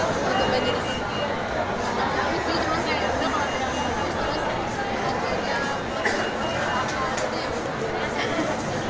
udah cuma saya yang beli